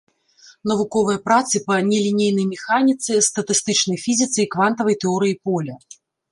Навуковыя працы па нелінейнай механіцы, статыстычнай фізіцы і квантавай тэорыі поля.